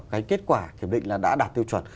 cái kết quả kiểm định là đã đạt tiêu chuẩn